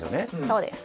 そうです。